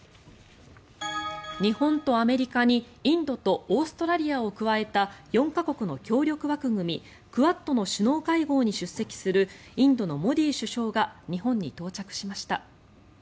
日本とアメリカにインドとオーストラリアを加えた４か国の協力枠組みクアッドの首脳会合に出席するインドのモディ首相が日本に到着しました。